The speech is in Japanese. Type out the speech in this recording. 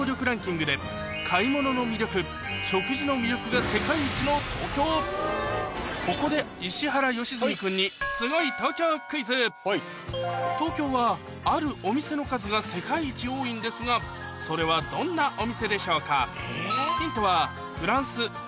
まずはの東京ここで石原良純君に東京はあるお店の数が世界一多いんですがそれはどんなお店でしょうか？